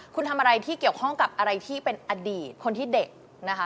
คุณทำอะไรที่เกี่ยวข้องกับอะไรที่เป็นอดีตคนที่เด็กนะคะ